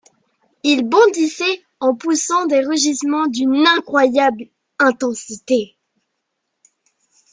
Ils bondissaient en poussant des rugissements d’une incroyable intensité.